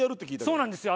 そうなんですよ。